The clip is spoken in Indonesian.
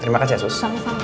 terima kasih sus